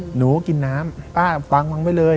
หนูก็กินน้ำป้าฟังมึงไว้เลย